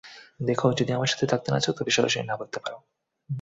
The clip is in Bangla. দেখো, যদি আমার সাথে থাকতে না চাও, তবে সরাসরি না বলতে পারো।